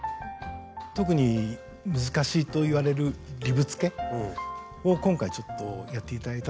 特に難しいといわれるリブつけを今回ちょっとやって頂いたんですけど。